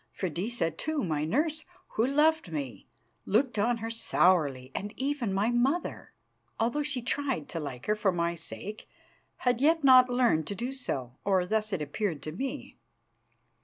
Freydisa, too, my nurse, who loved me, looked on her sourly, and even my mother, although she tried to like her for my sake, had not yet learned to do so, or thus it appeared to me.